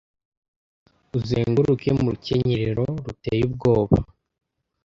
Uzenguruke mu rukenyerero ruteye ubwoba